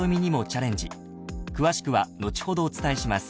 ［詳しくは後ほどお伝えします］